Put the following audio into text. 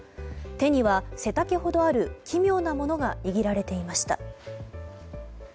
手には、背丈ほどある奇妙なものが握られていました。